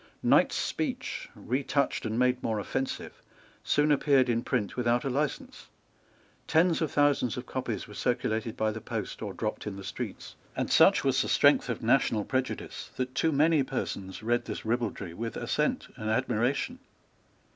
Knight's speech, retouched and made more offensive, soon appeared in print without a license. Tens of thousands of copies were circulated by the post, or dropped in the streets; and such was the strength of national prejudice that too many persons read this ribaldry with assent and admiration.